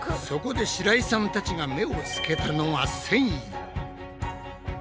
そこで白井さんたちが目をつけたのが繊維。